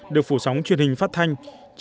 được phủ sóng truyền hình phát thanh